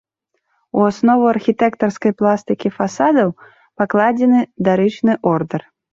У аснову архітэктарскай пластыкі фасадаў пакладзены дарычны ордар.